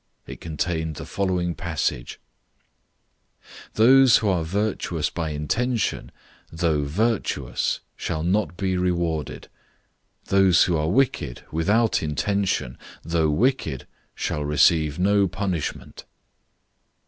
It contained the following passage: "Those who are virtuous by intention, though virtuous, shall not be rewarded. Those who are wicked without intention, though wicked, shall receive no punishment."